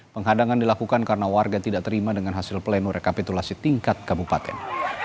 penghadangan dilakukan karena warga tidak terima dengan hasil pleno rekapitulasi tingkat kabupaten